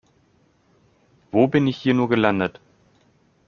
Wo bin ich hier nur gelandet?